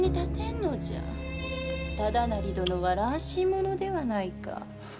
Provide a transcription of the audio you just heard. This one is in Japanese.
忠成殿は乱心者ではないか。